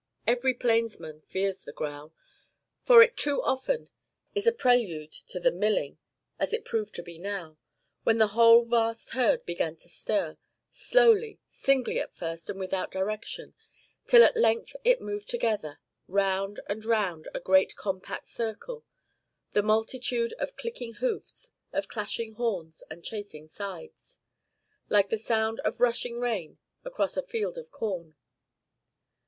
Every plainsman fears the growl, for it too often is a prelude to the 'milling,' as it proved to be now, when the whole vast herd began to stir slowly, singly at first and without direction, till at length it moved together, round and round a great compact circle, the multitude of clicking hoofs, of clashing horns and chafing sides, like the sound of rushing rain across a field of corn.